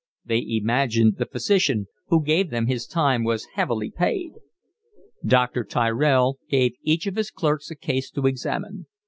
They imagined the physician who gave them his time was heavily paid. Dr. Tyrell gave each of his clerks a case to examine.